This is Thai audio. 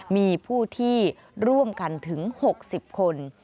มีผู้ที่ร่วมกันถึง๖๐คน